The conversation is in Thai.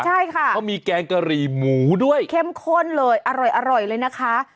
ใช่ค่ะเขามีแกงกะหรี่หมูด้วยเข้มข้นเลยอร่อยเลยนะคะ